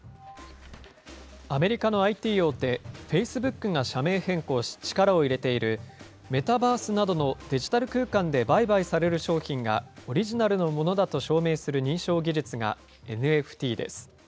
アメリカのＩＴ大手、フェイスブックが社名変更し、力を入れているメタバースなどのデジタル空間で売買される商品がオリジナルのものだと証明する認証技術がＮＦＴです。